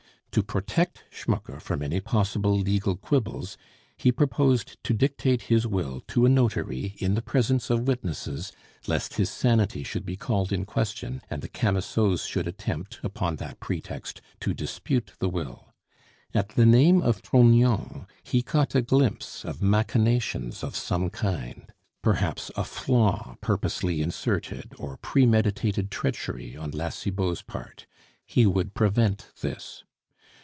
To protect Schmucke from any possible legal quibbles, he proposed to dictate his will to a notary in the presence of witnesses, lest his sanity should be called in question and the Camusots should attempt upon that pretext to dispute the will. At the name of Trognon he caught a glimpse of machinations of some kind; perhaps a flaw purposely inserted, or premeditated treachery on La Cibot's part. He would prevent this.